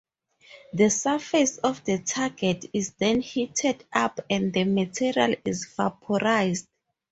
The surface of the target is then heated up and the material is vaporized.